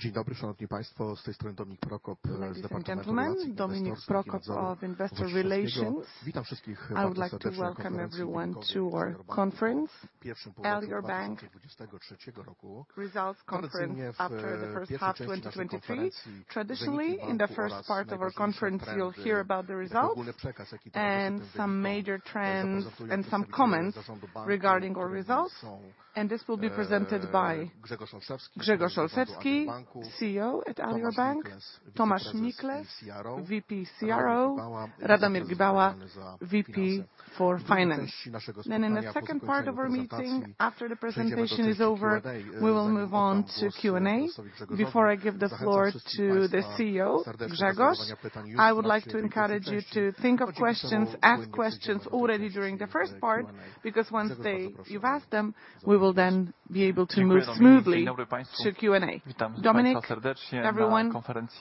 Dzień dobry, szanowni Państwo. Z tej strony Dominik Prokop, z Departamentu Relacji Inwestorskich Alior Banku. Witam wszystkich bardzo serdecznie na konferencji półroczowej Alior Banku, pierwszym półroczu 2023 roku. Tradycyjnie w pierwszej części naszej konferencji, wyniki banku oraz najważniejsze trendy. Jaki ogóle przekaz, jaki ten występ ma? Zaprezentują dzisiaj członkowie Zarządu Banku, którymi są, Grzegorz Olszewski, Prezes Zarządu Banku, Tomasz Miklas, Wiceprezes i CRO, i Radomir Gibała, Wiceprezes odpowiedzialny za finanse. In the second part of our meeting, after the presentation is over, we will move on to Q&A. Before I give the floor to the CEO, Grzegorz, I would like to encourage you to think of questions, ask questions already during the first part, because once you've asked them, we will then be able to move smoothly to Q&A. Dominik, everyone,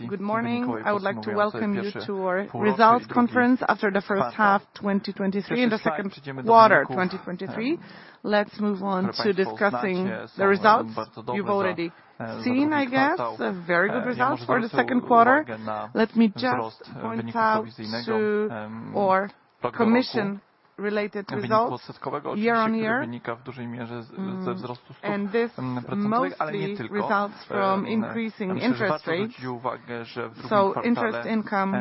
good morning. I would like to welcome you to our results conference after the first half, 2023, and the second quarter, 2023. Let's move on to discussing the results. You've already seen, I guess, a very good results for the second quarter. Let me just point out to our commission related results year-on-year. This mostly results from increasing interest rates. Interest income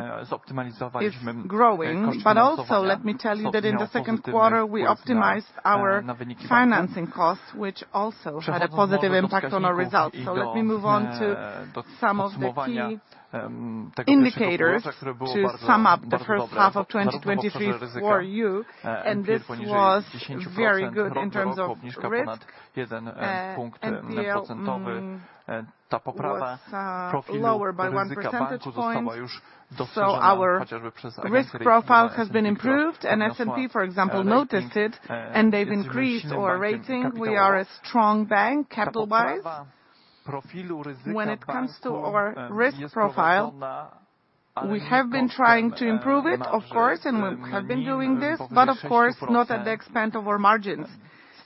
is growing. Also, let me tell you that in the second quarter, we optimized our financing costs, which also had a positive impact on our results. Let me move on to some of the key indicators to sum up the first half of 2023 for you, and this was very good in terms of risk. NPL was lower by one percentage points. Our risk profile has been improved, and S&P, for example, noticed it, and they've increased our rating. We are a strong bank, capital-wise. When it comes to our risk profile, we have been trying to improve it, of course, and we have been doing this, but of course, not at the expense of our margins.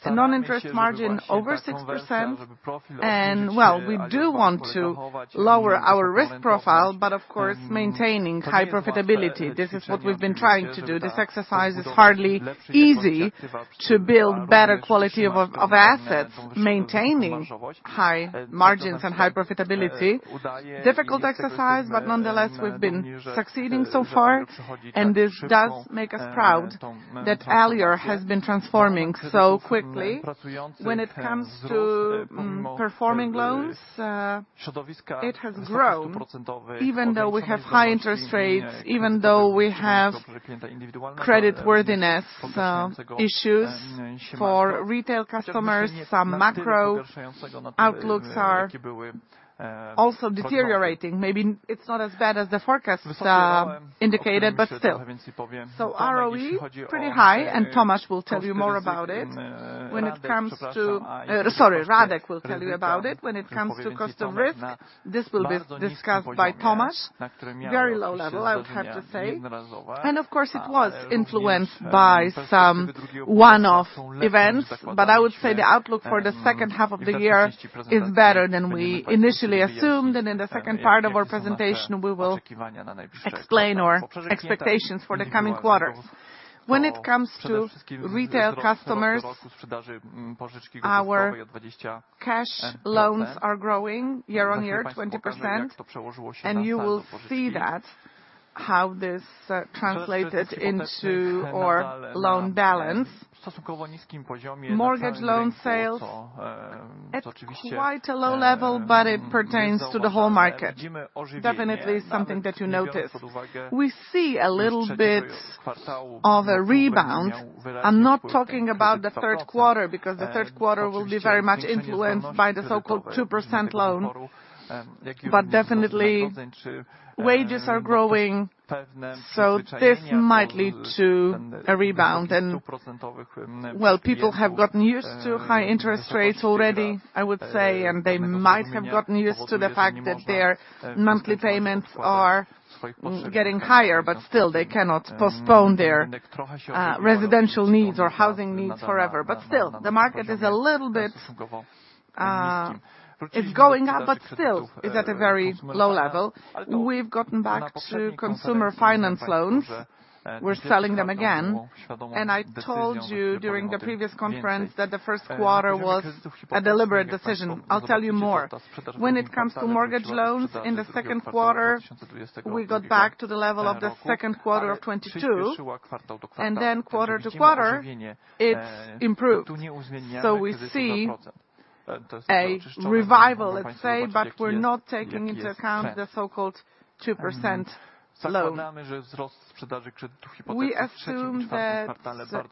A non-interest margin, over 6%. Well, we do want to lower our risk profile, but of course, maintaining high profitability. This is what we've been trying to do. This exercise is hardly easy to build better quality of assets, maintaining high margins and high profitability. Difficult exercise, but nonetheless, we've been succeeding so far, and this does make us proud that Alior has been transforming so quickly. When it comes to performing loans, it has grown, even though we have high interest rates, even though we have creditworthiness issues for retail customers. Some macro outlooks are also deteriorating. Maybe it's not as bad as the forecasts indicated, but still. ROE, pretty high, and Tomasz will tell you more about it. When it comes to... Sorry, Radek will tell you about it. When it comes to cost of risk, this will be discussed by Tomasz. Very low level, I would have to say. Of course, it was influenced by some one-off events, but I would say the outlook for the second half of the year is better than we initially assumed. In the second part of our presentation, we will explain our expectations for the coming quarter. When it comes to retail customers, our cash loans are growing year-on-year, 20%. You will see that, how this translated into our loan balance. Mortgage loan sales, at quite a low level, but it pertains to the whole market. Definitely something that you noticed. We see a little bit of a rebound. I'm not talking about the third quarter, because the third quarter will be very much influenced by the so-called 2% loan. Definitely, wages are growing, so this might lead to a rebound. Well, people have gotten used to high interest rates already, I would say, and they might have gotten used to the fact that their monthly payments are getting higher, but still, they cannot postpone their residential needs or housing needs forever. Still, the market is a little bit, it's going up, but still, is at a very low level. We've gotten back to consumer finance loans. We're selling them again. I told you during the previous conference that the first quarter was a deliberate decision. I'll tell you more. When it comes to mortgage loans, in the second quarter, we got back to the level of the second quarter of 2022, and then quarter-to-quarter, it's improved. We see a revival, let's say, but we're not taking into account the so-called 2% loan. We assume that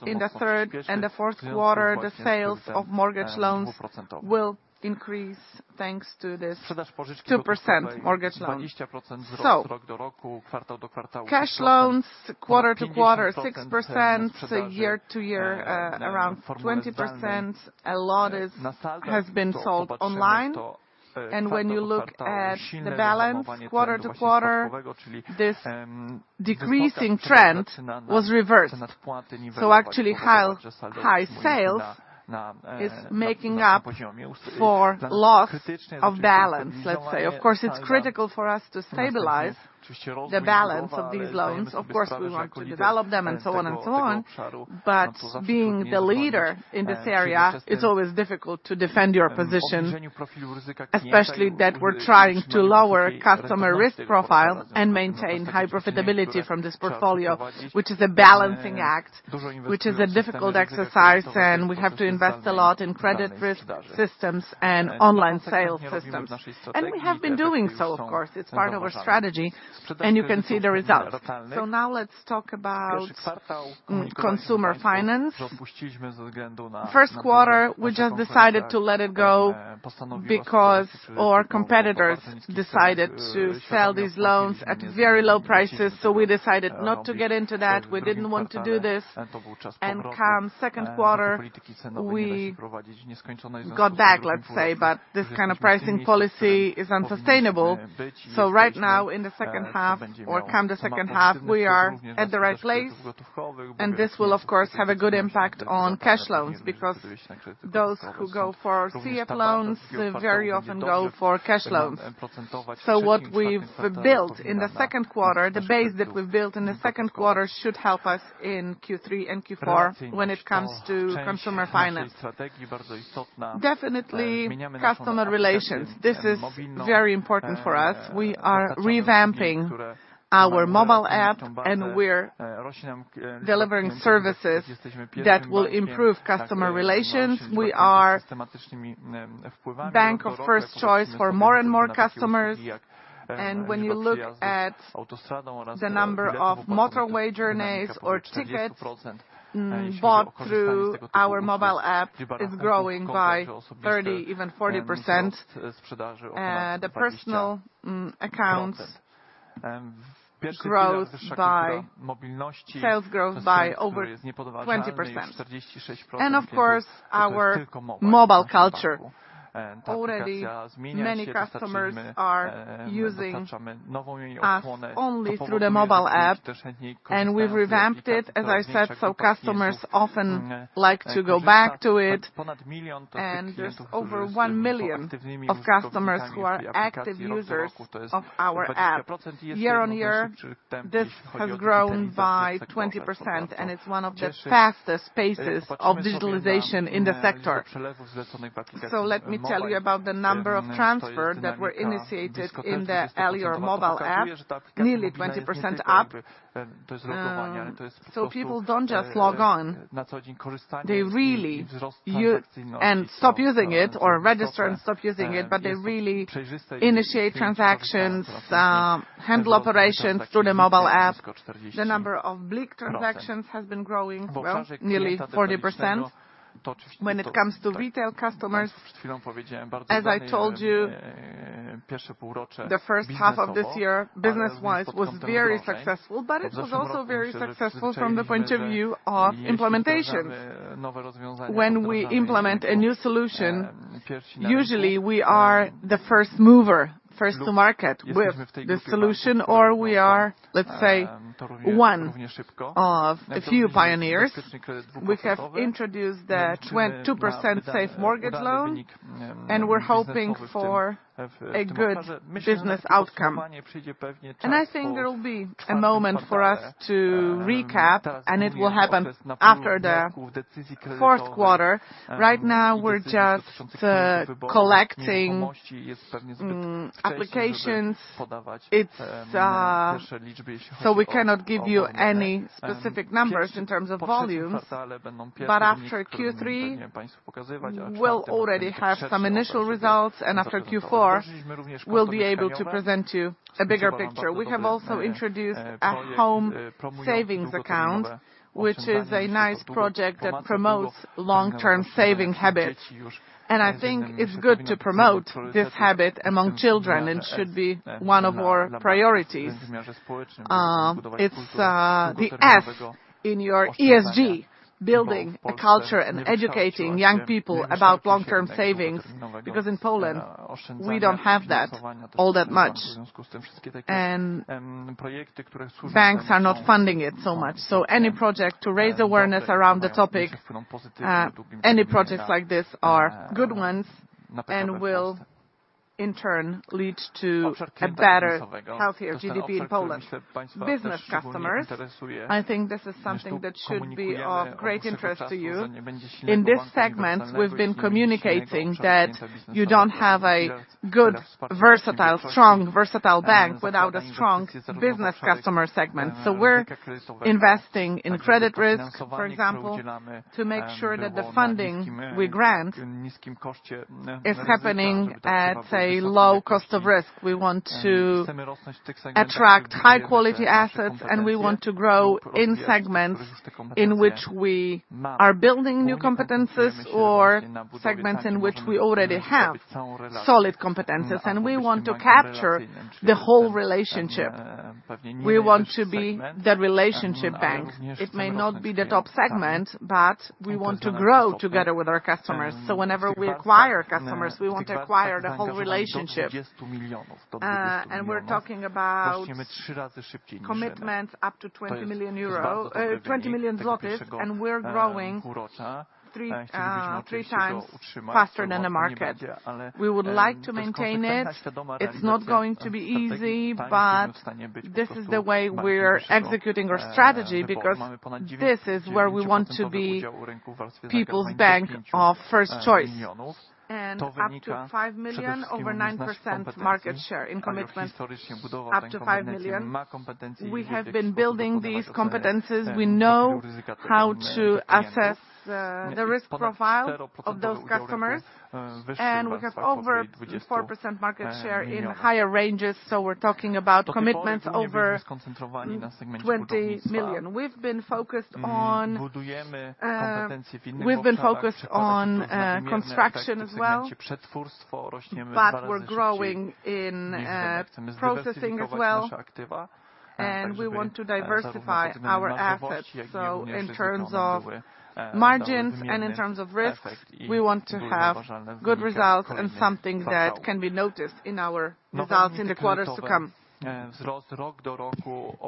in the third and the fourth quarter, the sales of mortgage loans will increase thanks to this 2% mortgage loan. Cash loans, quarter-to-quarter, 6%, year-to-year, around 20%. A lot is, has been sold online. When you look at the balance, quarter to quarter, this decreasing trend was reversed. Actually, high, high sales is making up for loss of balance, let's say. Of course, it's critical for us to stabilize the balance of these loans. Of course, we want to develop them, and so on, and so on. Being the leader in this area, it's always difficult to defend your position, especially that we're trying to lower customer risk profile and maintain high profitability from this portfolio, which is a balancing act, which is a difficult exercise, and we have to invest a lot in credit risk systems and online sales systems. We have been doing so, of course, it's part of our strategy, and you can see the results. Now let's talk about consumer finance. First quarter, we just decided to let it go, because our competitors decided to sell these loans at very low prices, we decided not to get into that. We didn't want to do this. Come second quarter, we got back, let's say, but this kind of pricing policy is unsustainable. Right now, in the second half, or come the second half, we are at the right place, and this will, of course, have a good impact on cash loans, because those who go for CF loans very often go for cash loans. What we've built in the second quarter, the base that we've built in the second quarter, should help us in Q3 and Q4 when it comes to consumer finance. Customer relations, this is very important for us. We are revamping our mobile app, and we're delivering services that will improve customer relations. We are bank of first choice for more and more customers, when you look at the number of motorway journeys or tickets bought through our mobile app, is growing by 30%-40%. The personal accounts grows by, sales grows by over 20%. Of course, our mobile culture. Already, many customers are using us only through the mobile app, and we've revamped it, as I said, so customers often like to go back to it. There's over one million of customers who are active users of our app. Year-on-year, this has grown by 20%, and it's one of the fastest paces of digitalization in the sector. Let me tell you about the number of transfers that were initiated in the Alior Mobile app, nearly 20% up. People don't just log on, they really and stop using it, or register and stop using it, but they really initiate transactions, handle operations through the mobile app. The number of BLIK transactions has been growing, well, nearly 40%. When it comes to retail customers, as I told you, the first half of this year, business-wise, was very successful, but it was also very successful from the point of view of implementation. When we implement a new solution, usually we are the first mover, first to market with the solution, or we are, let's say, one of a few pioneers. We have introduced the 2% safe mortgage loan, and we're hoping for a good business outcome. I think there will be a moment for us to recap, and it will happen after the fourth quarter. Right now, we're just collecting applications. It's. We cannot give you any specific numbers in terms of volumes. After Q3, we'll already have some initial results, and after Q4, we'll be able to present you a bigger picture. We have also introduced a home savings account, which is a nice project that promotes long-term saving habits. I think it's good to promote this habit among children, and should be one of our priorities. It's, the S in your ESG, building a culture and educating young people about long-term savings, because in Poland, we don't have that all that much. Banks are not funding it so much. Any project to raise awareness around the topic, any projects like this are good ones and will- ... in turn, lead to a better, healthier GDP in Poland. Business customers, I think this is something that should be of great interest to you. In this segment, we've been communicating that you don't have a good, versatile, strong, versatile bank without a strong business customer segment. We're investing in credit risk, for example, to make sure that the funding we grant is happening at a low cost of risk. We want to attract high-quality assets, and we want to grow in segments in which we are building new competencies or segments in which we already have solid competencies, and we want to capture the whole relationship. We want to be the relationship bank. It may not be the top segment, but we want to grow together with our customers. Whenever we acquire customers, we want to acquire the whole relationship. We are talking about commitments up to 20 million euro, 20 million zlotys, and we're growing 3x faster than the market. We would like to maintain it. It's not going to be easy, but this is the way we're executing our strategy, because this is where we want to be people's bank of first choice. Up to 5 million, over 9% market share in commitments, up to 5 million. We have been building these competencies. We know how to assess the risk profile of those customers, and we have over 4% market share in higher ranges, so we're talking about commitments over 20 million. We've been focused on, we've been focused on construction as well, but we're growing in processing as well, and we want to diversify our assets. In terms of margins and in terms of risk, we want to have good results and something that can be noticed in our results in the quarters to come.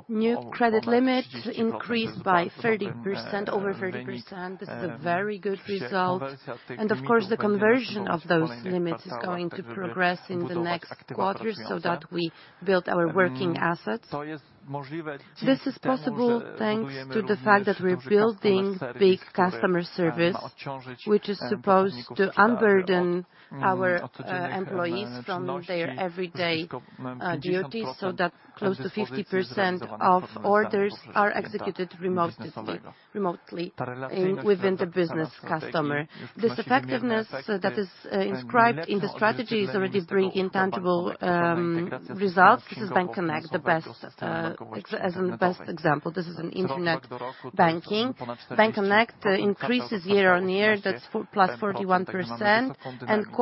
New credit limits increased by 30%, over 30%. This is a very good result, and of course, the conversion of those limits is going to progress in the next quarters so that we build our working assets. This is possible thanks to the fact that we're building big customer service, which is supposed to unburden our employees from their everyday duties, so that close to 50% of orders are executed remotely, remotely within the business customer. This effectiveness that is inscribed in the strategy is already bringing tangible results. This is BankConnect, the best as, as the best example, this is an internet banking. BankConnect increases year-over-year. That's plus 41%,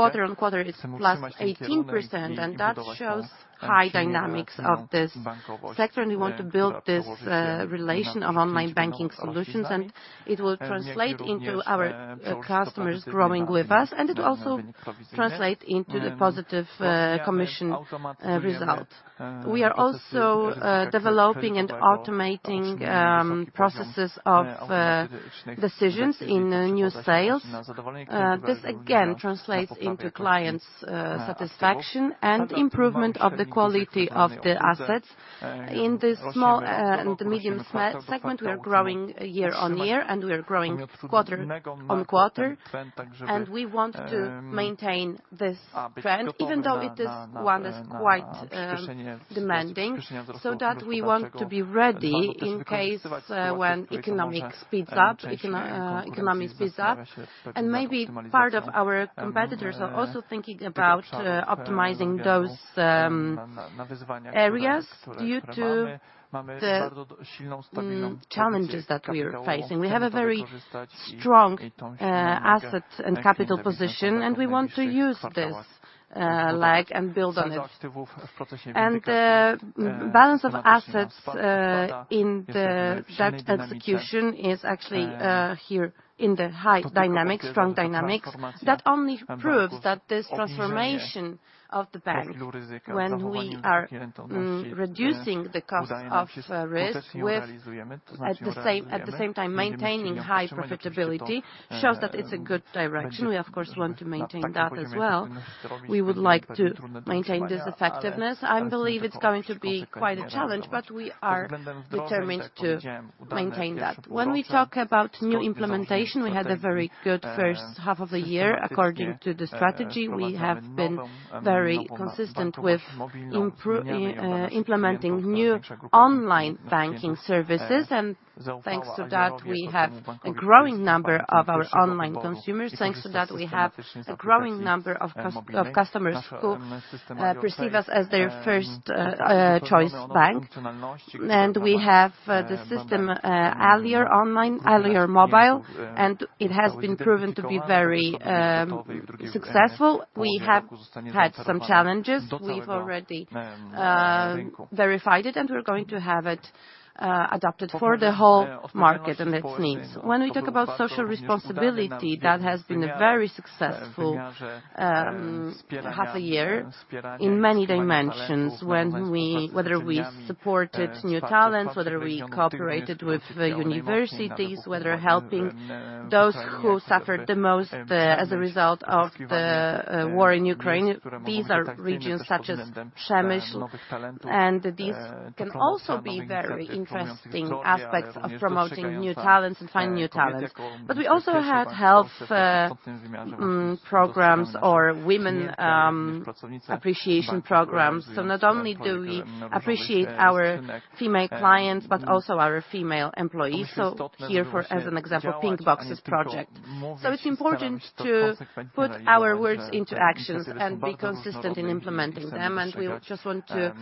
and quarter-over-quarter it's plus 18%, and that shows high dynamics of this sector, and we want to build this relation of online banking solutions, and it will translate into our customers growing with us, and it also translate into the positive commission result. We are also developing and automating processes of decisions in new sales. This again translates into clients' satisfaction and improvement of the quality of the assets. In the small and the medium segment, we are growing year-over-year, and we are growing quarter-over-quarter, and we want to maintain this trend, even though it is one that's quite demanding, so that we want to be ready in case when economic speeds up, economy speeds up. Maybe part of our competitors are also thinking about optimizing those areas due to the challenges that we are facing. We have a very strong asset and capital position, and we want to use this leg and build on it. The balance of assets in the, that execution is actually here in the high dynamics, strong dynamics. That only proves that this transformation of the bank, when we are reducing the cost of risk with, at the same, at the same time, maintaining high profitability, shows that it's a good direction. We, of course, want to maintain that as well. We would like to maintain this effectiveness. I believe it's going to be quite a challenge, but we are determined to maintain that. When we talk about new implementation, we had a very good first half of the year. According to the strategy, we have been very consistent with implementing new online banking services. Thanks to that, we have a growing number of our online consumers. Thanks to that, we have a growing number of customers who perceive us as their first choice bank. We have the system, Alior Online, Alior Mobile, and it has been proven to be very successful. We have had some challenges. We've already verified it, and we're going to have it adopted for the whole market and its needs. When we talk about social responsibility, that has been a very successful half a year. In many dimensions, when we, whether we supported new talents, whether we cooperated with the universities, whether helping those who suffered the most as a result of the war in Ukraine. These are regions such as Przemysl, and these can also be very interesting aspects of promoting new talents and finding new talents. We also had health programs or women appreciation programs. Not only do we appreciate our female clients, but also our female employees. Here, for, as an example, Pink Boxes project. It's important to put our words into actions and be consistent in implementing them, and we just want to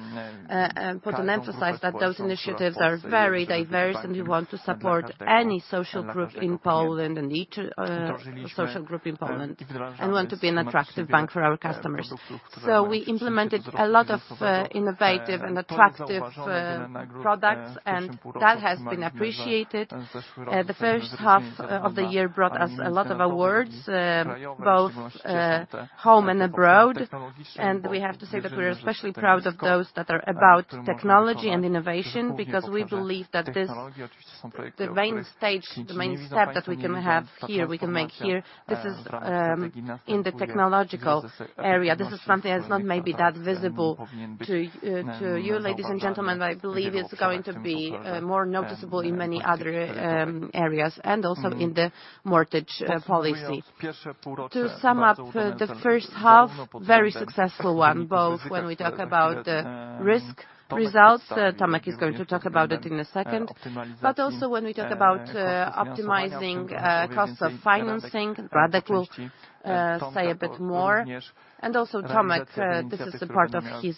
put an emphasis that those initiatives are very diverse, and we want to support any social group in Poland and each social group in Poland, and want to be an attractive bank for our customers. We implemented a lot of innovative and attractive products, and that has been appreciated. The first half of the year brought us a lot of awards, both home and abroad. We have to say that we're especially proud of those that are about technology and innovation, because we believe that this, the main stage, the main step that we can have here, we can make here, this is in the technological area. This is something that's not maybe that visible to you, ladies and gentlemen, but I believe it's going to be more noticeable in many other areas, and also in the mortgage policy. To sum up, the first half, very successful one, both when we talk about the risk results, Tomasz is going to talk about it in a second. Also when we talk about optimizing costs of financing, Radomir will say a bit more. Also Tomasz, this is the part of his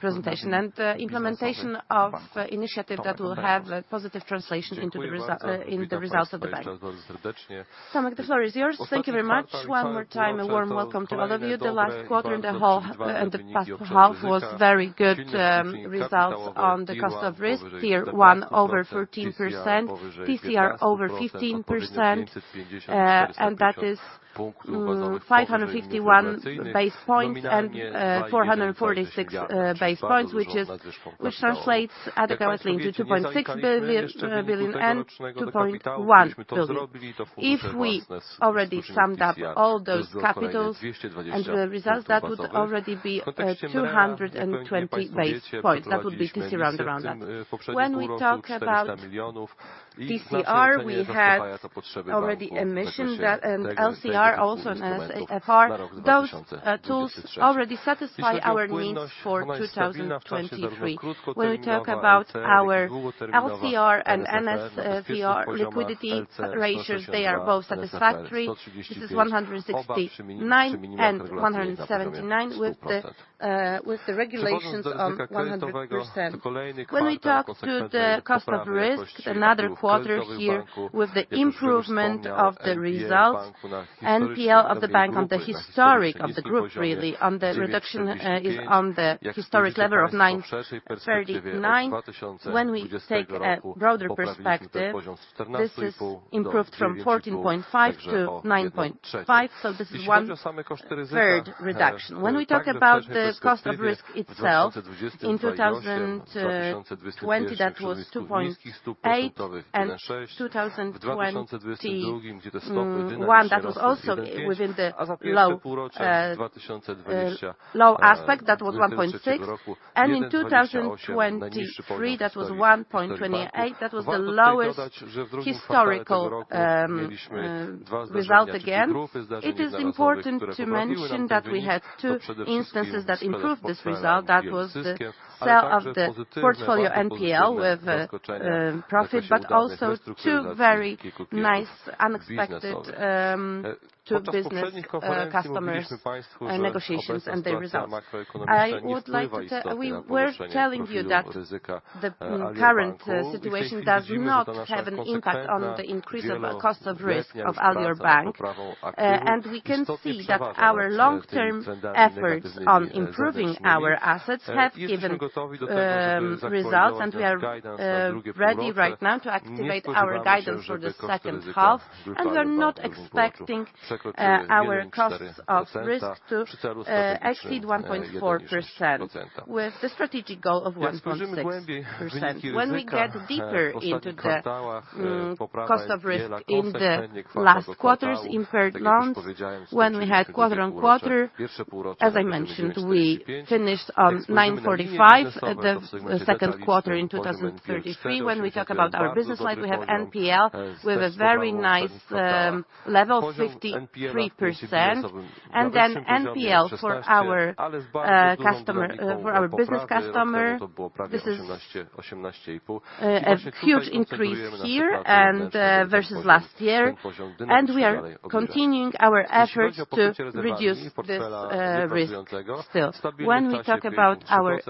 presentation, and the implementation of initiative that will have a positive translation into the in the results of the Bank. Tomasz, the floor is yours. Thank you very much. One more time, a warm welcome to all of you. The last quarter and the whole, and the past half was very good, results on the cost of risk. Tier 1, over 13%, TCR over 15%, and that is, 551 base points and 446 base points, which is- which translates adequately to 2.6 billion and 2.1 billion. If we already summed up all those capitals and the results, that would already be 220 base points. That would be TCR around that. When we talk about TCR, we have already a mission that, and LCR also as a part. Those tools already satisfy our needs for 2023. When we talk about our LCR and NSFR liquidity ratios, they are both satisfactory. This is 169 and 179, with the regulations of 100%. When we talk to the cost of risk, another quarter here with the improvement of the results, NPL of the group on the historical of the group, really, on the reduction, is on the historical level of 9.39%. When we take a broader perspective, this is improved from 14.5 to 9.5, so this is one third reduction. When we talk about the cost of risk itself, in 2020, that was 2.8%, and 2021, that was also within the low, low aspect, that was 1.6%. In 2023, that was 1.28%. That was the lowest historical result again. It is important to mention that we had two instances that improved this result. That was the sale of the portfolio NPL with profit, but also two very nice, unexpected, to business customers, negotiations and the results. We're telling you that the current situation does not have an impact on the increase of cost of risk of Alior Bank. We can see that our long-term efforts on improving our assets have given results, and we are ready right now to activate our guidance for the second half, and we are not expecting our costs of risk to exceed 1.1%, with the strategic goal of 1.6%. We get deeper into the cost of risk in the last quarters, in third loans, we had quarter-on-quarter, as I mentioned, we finished on 9.45, the second quarter in 2023. We talk about our business life, we have NPL with a very nice level, 53%. NPL for our customer, for our business customer, this is a huge increase here, and versus last year, and we are continuing our efforts to reduce this risk still. When we talk about our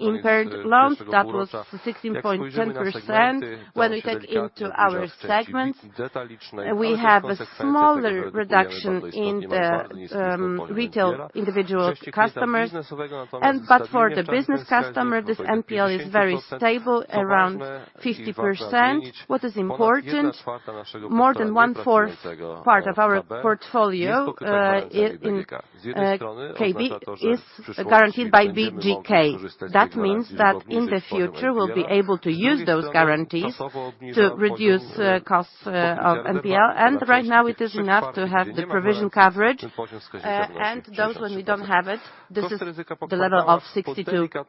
impaired loans, that was 16.10%. When we take into our segments, we have a smaller reduction in the retail individual customers. For the business customer, this NPL is very stable, around 50%, what is important, more than one-fourth part of our portfolio in KB is guaranteed by BGK. That means that in the future, we'll be able to use those guarantees to reduce costs of NPL. Right now, it is enough to have the provision coverage, and those when we don't have it, this is the level of 62.8%.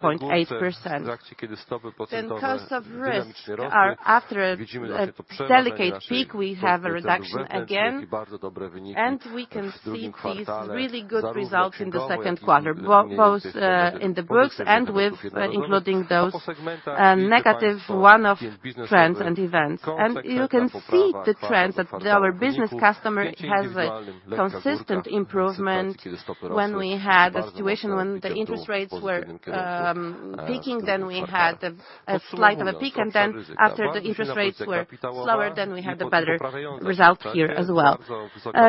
Costs of risk are after a, a delicate peak, we have a reduction again, and we can see these really good results in the second quarter, bo- both in the books and with including those negative one-off trends and events. You can see the trend that our business customer has a consistent improvement when we had a situation when the interest rates were peaking, then we had the, a slight of a peak, and then after the interest rates were lower, then we had the better results here as well.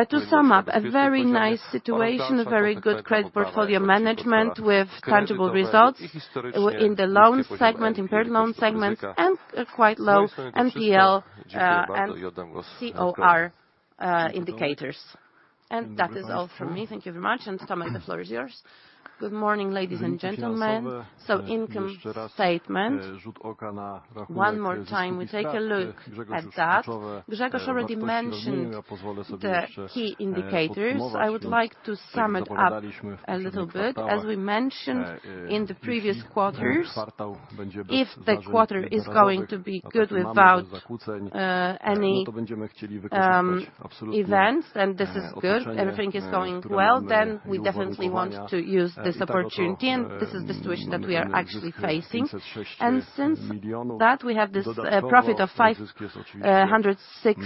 To sum up, a very nice situation, a very good credit portfolio management with tangible results w- in the loans segment, impaired loans segment, and a quite low NPL and COR indicators. That is all from me. Thank you very much, and Radomir, the floor is yours. Good morning, ladies and gentlemen. Income statement, one more time, we take a look at that. Grzegorz already mentioned the key indicators. I would like to sum it up a little bit. As we mentioned in the previous quarters, if the quarter is going to be good without any events, and this is good, everything is going well, then we definitely want to use this opportunity, and this is the situation that we are actually facing. Since that, we have this profit of 506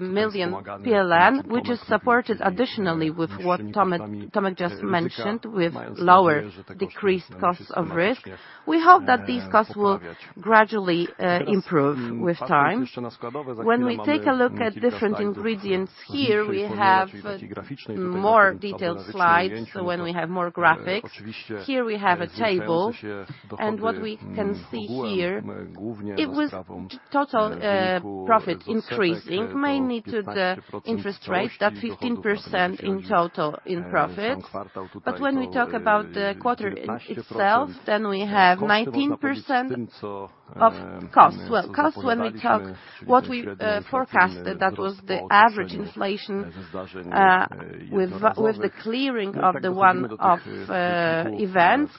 million PLN, which is supported additionally with what Tomasz, Tomasz just mentioned, with lower decreased cost of risk. We hope that these costs will gradually improve with time. When we take a look at different ingredients, here we have more detailed slides, when we have more graphics. Here we have a table, what we can see here, it was total profit increasing, mainly to the interest rate, that 15% in total in profit. When we talk about the quarter itself, we have 19% of costs. Well, costs, when we talk what we forecasted, that was the average inflation with the, with the clearing of the one-off event.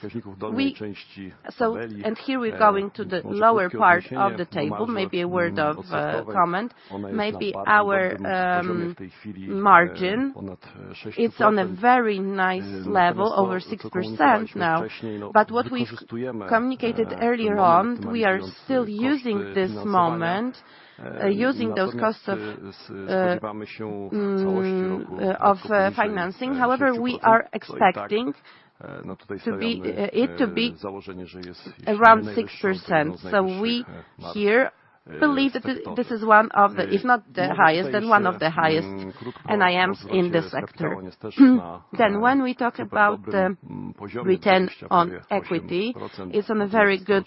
Here we're going to the lower part of the table, maybe a word of comment. Maybe our margin, it's on a very nice level, over 6% now. What we communicated earlier on, we are still using this moment, using those costs of financing. However, we are expecting it to be around 6%. We here believe that this, this is one of the, if not the highest, then one of the highest NIMs in the sector. When we talk about the return on equity, it's on a very good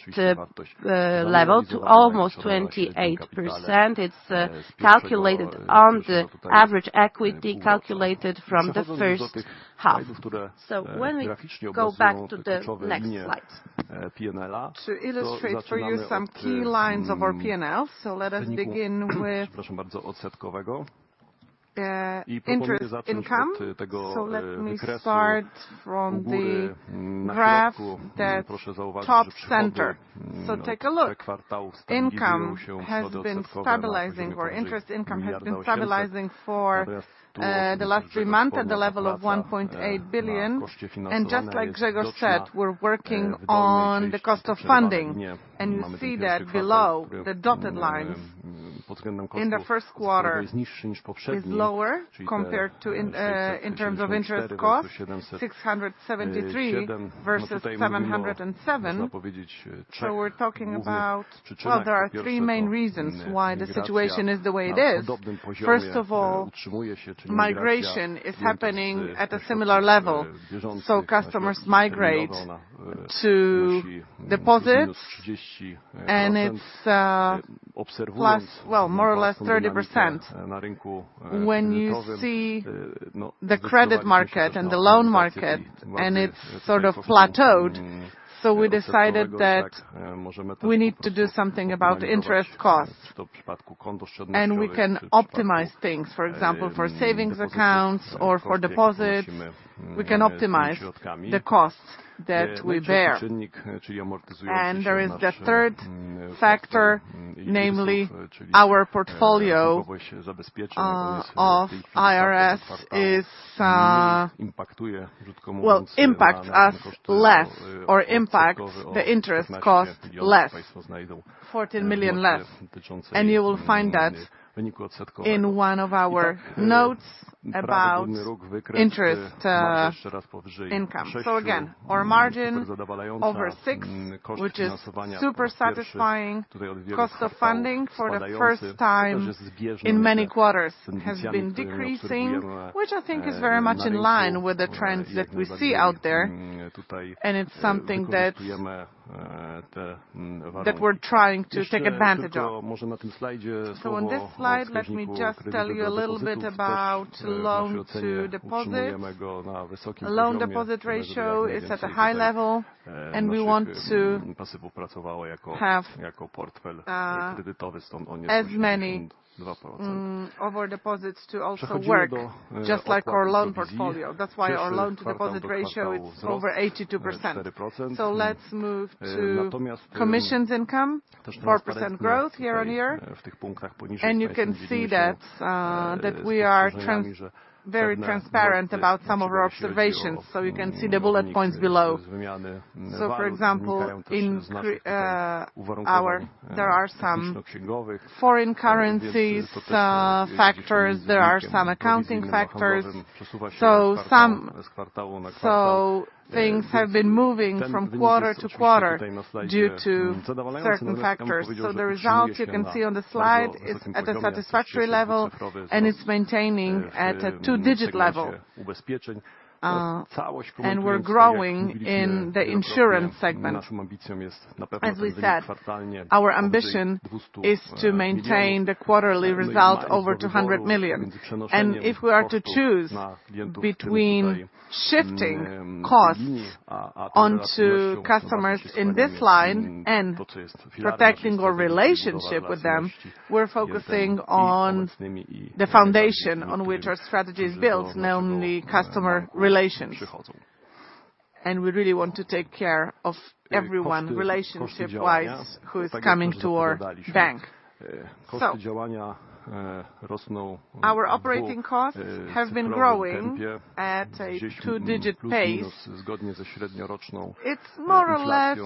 level, to almost 28%. It's calculated on the average equity calculated from the first half. When we go back to the next slide, to illustrate for you some key lines of our P&L. Let us begin with interest income. Let me start from the graph, the top center. Take a look. Income has been stabilizing, or interest income has been stabilizing for the last three months at the level of 1.8 billion. Just like Grzegorz said, we're working on the cost of funding. You see that below, the dotted lines, in the first quarter is lower compared to in terms of interest cost, 673 versus 707. We're talking about. Well, there are three main reasons why the situation is the way it is. First of all, migration is happening at a similar level. Customers migrate to deposits, and it's plus, well, more or less 30%. When you see the credit market and the loan market, and it's sort of plateaued, we decided that we need to do something about interest costs. We can optimize things, for example, for savings accounts or for deposits. We can optimize the costs that we bear. There is the third factor, namely, our portfolio of IRS is impactue, well, impacts us less, or impacts the interest cost less. 14 million less, and you will find that in one of our notes about interest income. Again, our margin over 6%, which is super satisfying. Cost of funding for the first time in many quarters has been decreasing, which I think is very much in line with the trends that we see out there, and it's something that we're trying to take advantage of. On this slide, let me just tell you a little bit about loan-to-deposit. Loan-deposit ratio is at a high level, and we want to have as many of our deposits to also work, just like our loan portfolio. That's why our loan-to-deposit ratio is over 82%. Let's move to commissions income, 4% growth year-over-year. You can see that we are very transparent about some of our observations, so you can see the bullet points below. For example, in our, there are some foreign currencies, factors, there are some accounting factors. Things have been moving from quarter-to-quarter due to certain factors. The results you can see on the slide is at a satisfactory level, and it's maintaining at a two-digit level, and we're growing in the insurance segment. As we said, our ambition is to maintain the quarterly result over 200 million. If we are to choose between shifting costs onto customers in this line and protecting our relationship with them, we're focusing on the foundation on which our strategy is built, namely customer relations. We really want to take care of everyone, relationship-wise, who is coming to our bank. Our operating costs have been growing at a two-digit pace. It's more or less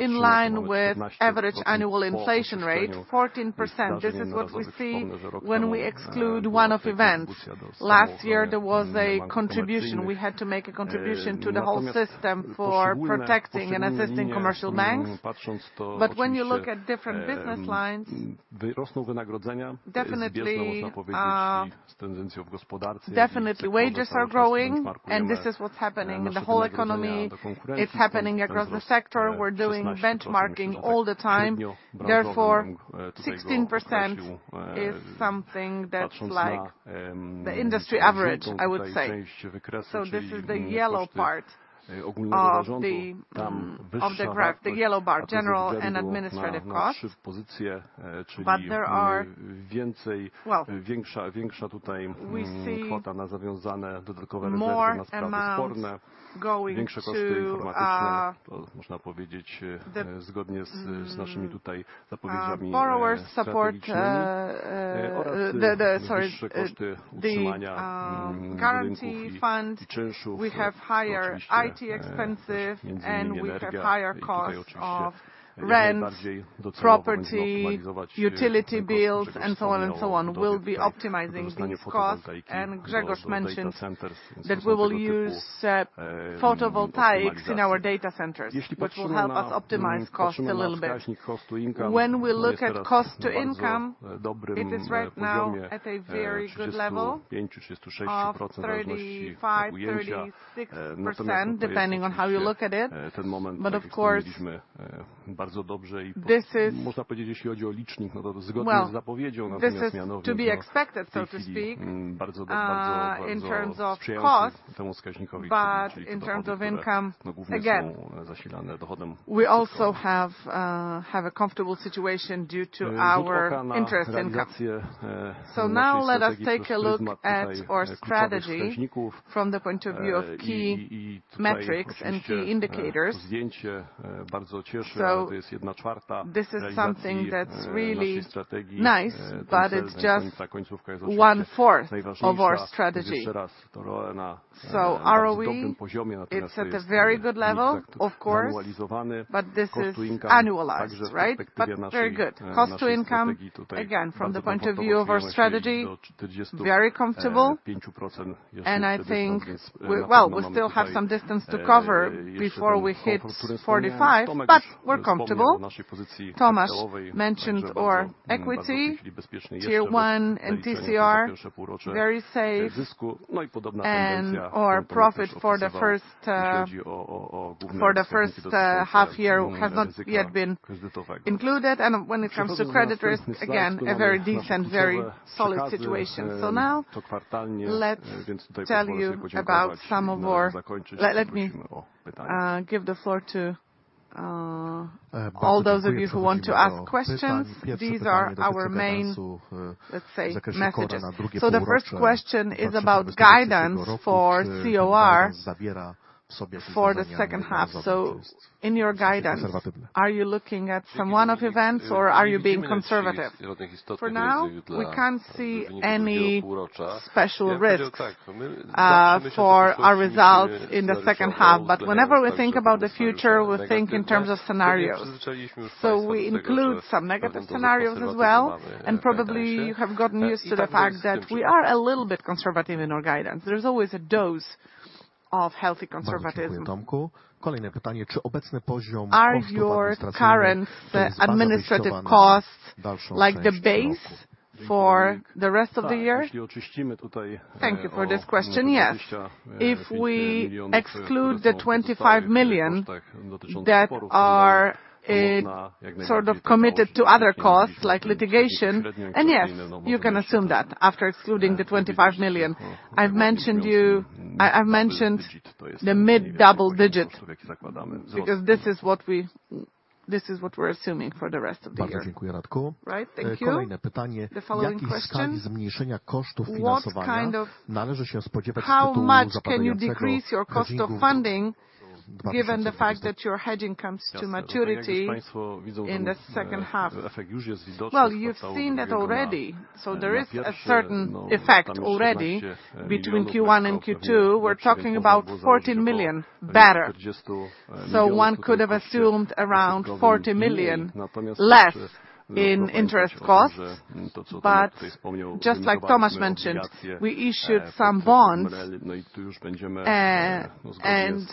in line with average annual inflation rate, 14%. This is what we see when we exclude one-off events. Last year, there was a contribution. We had to make a contribution to the whole system for protecting and assisting commercial banks. When you look at different business lines, definitely, definitely wages are growing, and this is what's happening in the whole economy. It's happening across the sector. We're doing benchmarking all the time. 16% is something that's like the industry average, I would say. This is the yellow part of the of the graph, the yellow bar, general and administrative costs. Well, we see more amounts going to the borrowers support the guarantee fund. We have higher IT expenses, and we have higher costs of rent, property, utility bills, and so on, and so on. We'll be optimizing these costs. Grzegorz mentioned that we will use photovoltaics in our data centers, which will help us optimize costs a little bit. When we look at cost to income, it is right now at a very good level of 35%-36%, depending on how you look at it. Of course, this is... Well, this is to be expected, so to speak, in terms of costs, but in terms of income, again, we also have a comfortable situation due to our interest income. Now let us take a look at our strategy from the point of view of key metrics and key indicators. This is something that's really nice, but it's just 1/4 of our strategy. ROE, it's at a very good level, of course, but this is annualized, right? Very good. Cost of income, again, from the point of view of our strategy, very comfortable, and I think, well, we still have some distance to cover before we hit 45, but we're comfortable. Tomasz mentioned our equity, Tier 1 and TCR, very safe. Our profit for the first, for the first half year have not yet been included. When it comes to credit risk, again, a very decent, very solid situation. Now, let me give the floor to all those of you who want to ask questions. These are our main, let's say, messages. The first question is about guidance for COR for the second half. In your guidance, are you looking at some one-off events, or are you being conservative? For now, we can't see any special risks for our results in the second half. Whenever we think about the future, we think in terms of scenarios. We include some negative scenarios as well, and probably you have gotten used to the fact that we are a little bit conservative in our guidance. There's always a dose of healthy conservatism. Are your current administrative costs, like, the base for the rest of the year? Thank you for this question. Yes. If we exclude the 25 million that are, sort of committed to other costs, like litigation. Yes, you can assume that after excluding the 25 million. I've mentioned the mid-double digit, because this is what we, this is what we're assuming for the rest of the year. Right? Thank you. The following question: How much can you decrease your cost of funding, given the fact that your hedging comes to maturity in the second half? Well, you've seen that already, so there is a certain effect already between Q1 and Q2. We're talking about 14 million better. One could have assumed around 40 million less in interest costs. Just like Tomasz mentioned, we issued some bonds, and,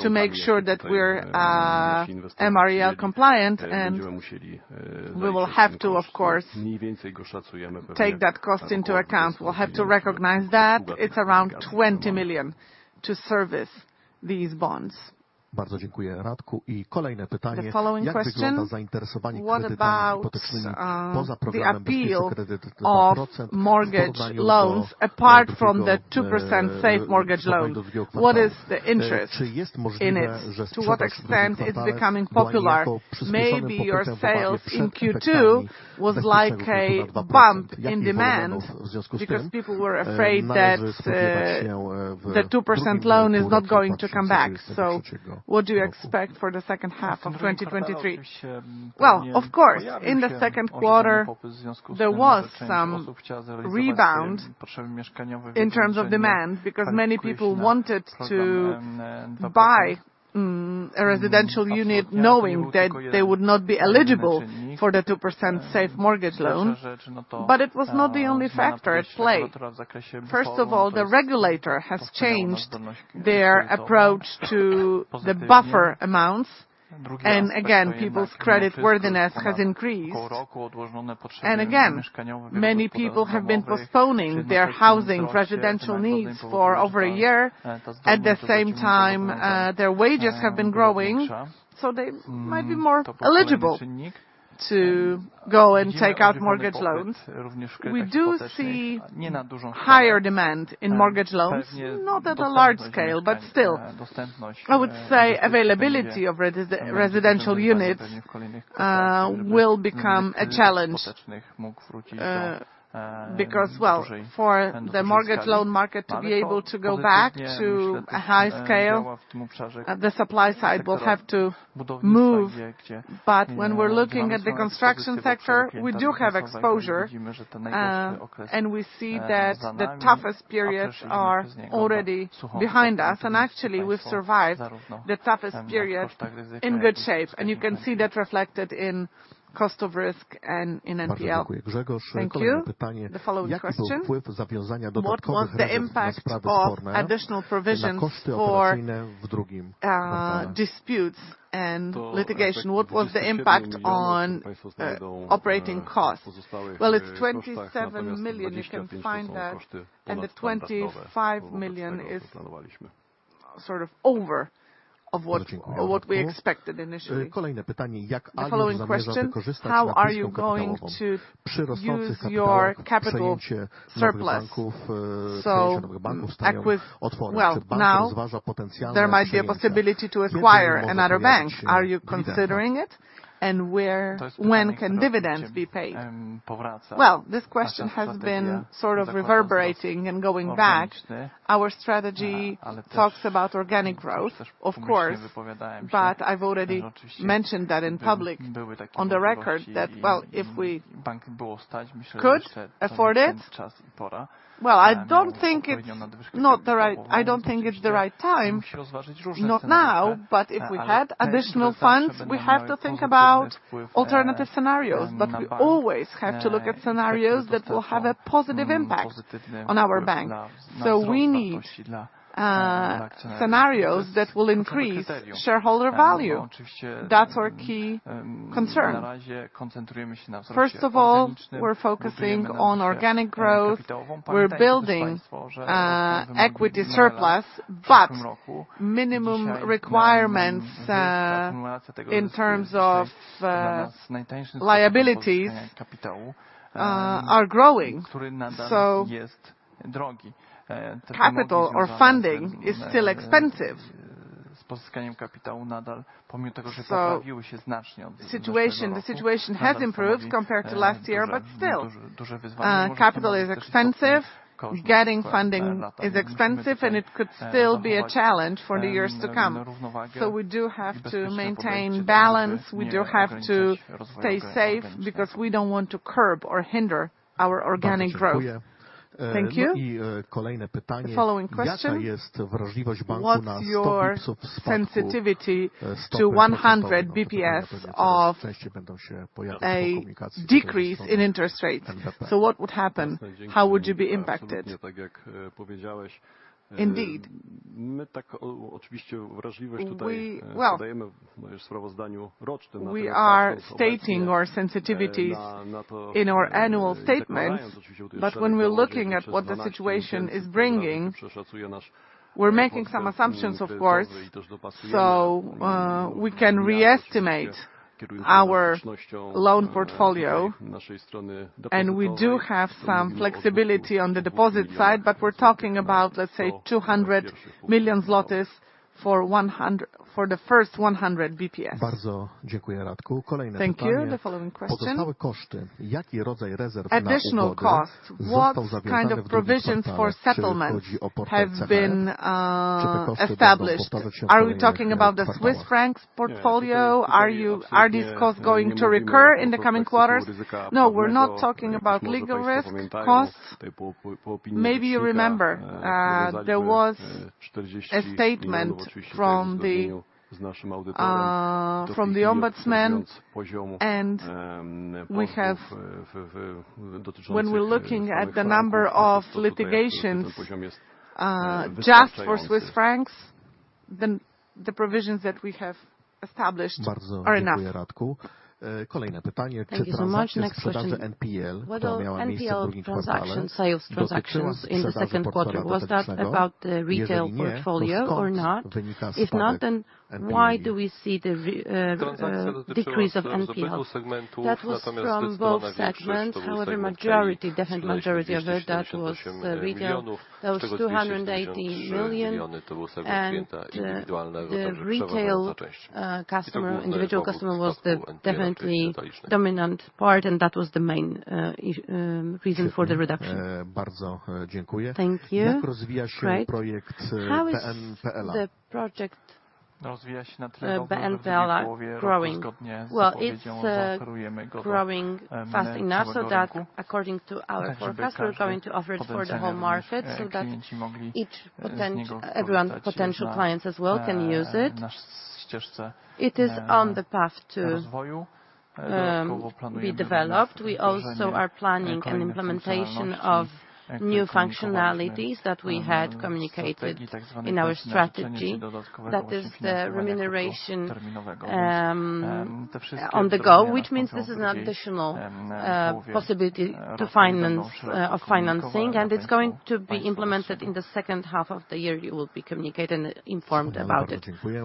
to make sure that we're MREL compliant, and we will have to, of course, take that cost into account. We'll have to recognize that. It's around 20 million to service these bonds. Bardzo dziękuję, Radku. Kolejne pytanie: Jak wygląda zainteresowanie kredytami hipotecznymi poza programem Bezpieczny Kredyt, tylko procent? Porównując to do drugiego stopnia do zwiokocania. Czy jest możliwe, że coś się wydaje? Bo jako przyspieszonym popytem zobaczmy w Q2 tak wyszego poziomu nad 2%. W związku z tym, może spodziewać się w drugim półroczu takiego skoku. Well, of course, in the second quarter, there was some rebound in terms of demand, because many people wanted to buy a residential unit, knowing that they would not be eligible for the 2% safe mortgage loan. It was not the only factor at play. First of all, the regulator has changed their approach to the buffer amounts, and again, people's credit worthiness has increased. Again, many people have been postponing their housing residential needs for over a year. At the same time, their wages have been growing, so they might be more eligible to go and take out mortgage loans. We do see higher demand in mortgage loans, not at a large scale, but still, I would say availability of residential units will become a challenge because, well, for the mortgage loan market to be able to go back to a high scale, the supply side will have to move. When we're looking at the construction sector, we do have exposure, and we see that the toughest periods are already behind us. Actually, we've survived the toughest period in good shape, and you can see that reflected in cost of risk and in NPL. Thank you. The following question: What was the impact of additional provisions for disputes and litigation? What was the impact on operating costs? It's 27 million. You can find that, the 25 million is sort of over of what we expected initially. The following question: How are you going to use your capital surplus? Now, there might be a possibility to acquire another bank. Are you considering it? Where, when can dividends be paid? This question has been sort of reverberating and going back. Our strategy talks about organic growth, of course, I've already mentioned that in public, on the record, that if we could afford it, I don't think it's the right time, not now, if we had additional funds, we have to think about alternative scenarios. We always have to look at scenarios that will have a positive impact on our bank. We need scenarios that will increase shareholder value. That's our key concern. First of all, we're focusing on organic growth, we're building equity surplus, but minimum requirements in terms of liabilities are growing. Capital or funding is still expensive. Situation, the situation has improved compared to last year, but still, capital is expensive, getting funding is expensive, and it could still be a challenge for the years to come. We do have to maintain balance, we do have to stay safe, because we don't want to curb or hinder our organic growth. Thank you. The following question: What's your sensitivity to 100 bps of a decrease in interest rates? What would happen? How would you be impacted? Indeed, we well, we are stating our sensitivities in our annual statement, but when we're looking at what the situation is bringing, we're making some assumptions, of course. We can reestimate our loan portfolio, and we do have some flexibility on the deposit side, but we're talking about, let's say, 200 million zlotys for the first 100 bps. Bardzo. Thank you. The following question. Additional costs. What kind of provisions for settlements have been established? Are we talking about the Swiss Francs portfolio? Are these costs going to recur in the coming quarters? No, we're not talking about legal risk costs. Maybe you remember, there was a statement from the from the Ombudsman, and we have. When we're looking at the number of litigations, just for Swiss Francs?... The provisions that we have established are enough. Bardzo dziękuję, Radku. Kolejne pytanie: czy transakcja sprzedaży NPL, która miała miejsce w second quarter, dotyczyła sprzedaży portfela detalicznego? Jeżeli nie, to skąd wynika spadek NPL? Why do we see the decrease of NPL? Transakcja dotyczyła obu segmentów, natomiast zdecydowana większość to był segment czyli leasing PLN 288 million, z czego PLN 283 million to był segment klienta indywidualnego, także przeważająca część. I to był główny powód spadku NPL w zakresie detalicznym. Dominant part, and that was the main reason for the reduction. bardzo dziękuję. Thank you. Jak rozwija się projekt PNPL-a? Rozwija się nad wyraz dobrze. W połowie roku, zgodnie z obietnicą, zaoferujemy go do całego rynku. Także każdy potencjalny klienci mogli z niego skorzystać na na ścieżce rozwoju. Dodatkowo planujemy również wdrożenie nowych funkcjonalności, które komunikowaliśmy w strategii, tak zwanej płatności, czyli dodatkowego ubezpieczenia kredytu terminowego. Te wszystkie zmiany będą mieli w połowie roku wnoszone do oferty banku. Of financing, and it's going to be implemented in the second half of the year. You will be communicated and informed about it. Bardzo dziękuję.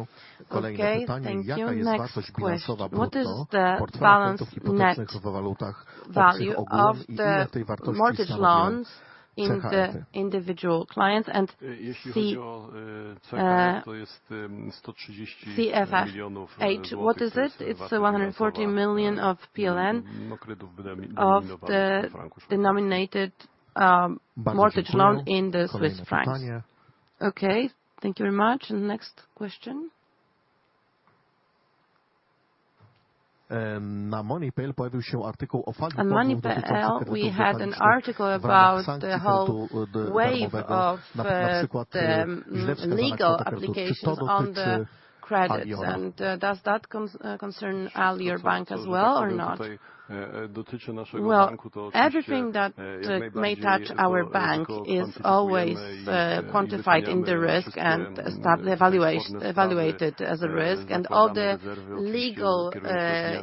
Okay, thank you. Kolejne pytanie: Jaka jest wartość bilansowa brutto portfela kredytów hipotecznych w walutach obcych ogółem? Ile tej wartości stanowią CHF? Individual clients. Jeśli chodzi o, CHN, to jest, PLN 130 million. What is it? It's PLN 140 million. Kredytów denominowanych we franku szwajcarskim. Mortgage loan in the Swiss Francs. Okay, thank you very much. Next question. Na Money.pl pojawił się artykuł o. On Money.pl, we had an article about the whole wave of the legal applications on the credits. Does that concern Alior Bank as well or not? dotyczy naszego banku- Well, everything that may touch our bank is always quantified in the risk and evaluated as a risk. All the legal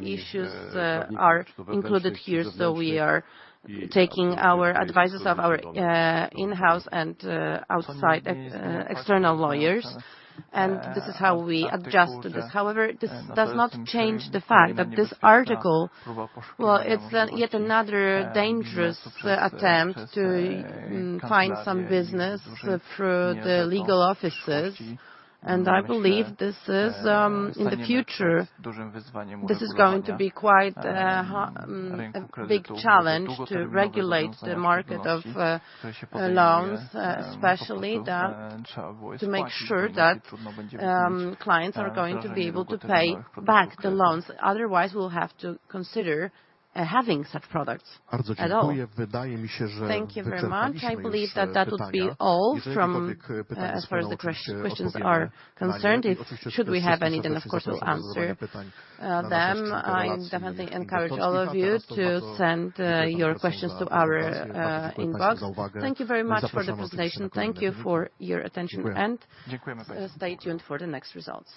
issues are included here. We are taking our advices of our in-house and outside external lawyers, and this is how we adjust to this. However, this does not change the fact that this article, well, it's yet another dangerous attempt to find some business through the legal offices. I believe this is, in the future, this is going to be quite, hard a big challenge to regulate the market of, loans, especially that to make sure that, clients are going to be able to pay back the loans. Otherwise, we'll have to consider, having such products at all. Bardzo dziękuję. Thank you very much. I believe that that would be all from as far as the questions are concerned. Should we have anything, of course, will answer them. I definitely encourage all of you to send your questions to our inbox. Thank you very much for the presentation. Thank you for your attention. Dziękujemy. stay tuned for the next results.